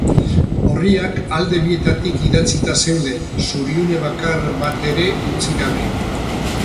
Orriak alde bietatik idatzita zeuden, zuriune bakar bat ere utzi gabe.